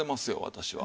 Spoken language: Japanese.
私は。